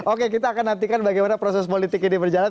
oke kita akan nantikan bagaimana proses politik ini berjalan